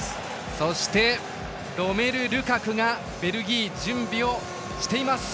そして、ロメル・ルカクがベルギー、準備をしています。